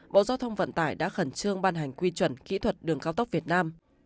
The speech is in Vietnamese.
bộ giao thông vận tải đã khẩn trương ban hành quy chuẩn kỹ thuật đường cao tốc việt nam